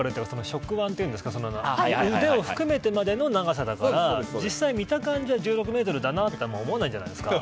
触腕というんですか腕を含めてまでの長さだから実際、見た感じは１６ｍだなと思わないじゃないですか。